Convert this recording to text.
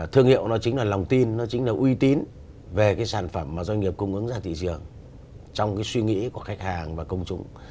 thương hiệu nó chính là lòng tin nó chính là uy tín về cái sản phẩm mà doanh nghiệp cung ứng ra thị trường trong cái suy nghĩ của khách hàng và công chúng